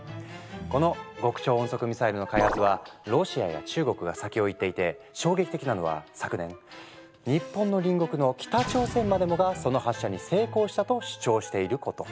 この極超音速ミサイルの開発はロシアや中国が先を行っていて衝撃的なのは昨年日本の隣国の北朝鮮までもがその発射に成功したと主張していること。